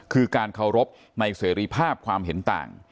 คือการเคารพในเสรีภาพความเห็นต่าง